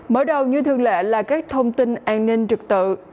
mở đầu như thường lệ là các thông tin an ninh trực tự